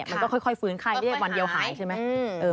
มันก็ค่อยฟื้นไข้เรียกวันเดียวหายใช่ไหม